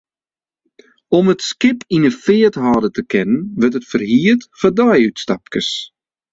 Om it skip yn 'e feart hâlde te kinnen, wurdt it ferhierd foar deiútstapkes.